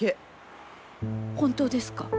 本当ですか？